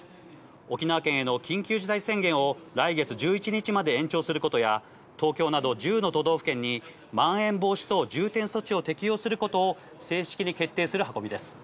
沖縄県への緊急事態宣言を来月１１日まで延長することや、東京など１０の都道府県にまん延防止等重点措置を適用することを正式に決定する運びです。